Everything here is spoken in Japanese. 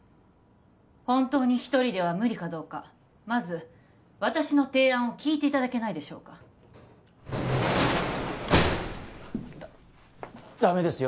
本当に一人では無理かどうかまず私の提案を聞いていただけないでしょうかダメですよ